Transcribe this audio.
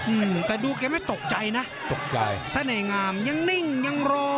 อืมแต่ดูแกไม่ตกใจนะตกใจเสน่หงามยังนิ่งยังรอ